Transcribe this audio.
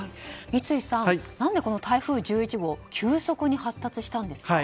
三井さん、何でこの台風１１号急速に発達したんですか？